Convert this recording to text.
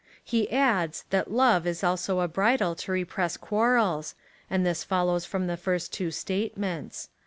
' He adds, that love is also a bridle to repress quarrels, and this follows from the first two statements.